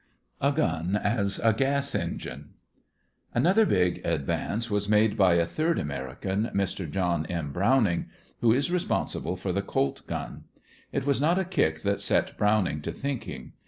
A GUN AS A GAS ENGINE Another big advance was made by a third American, Mr. John M. Browning, who is responsible for the Colt gun. It was not a kick that set Browning to thinking.